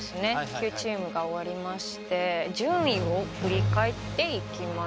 ９チームが終わりまして順位を振り返っていきましょう。